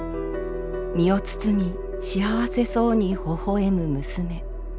身を包み幸せそうに微笑む娘」。